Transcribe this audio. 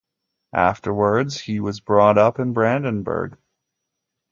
Afterwards, he was brought up in Brandenburg.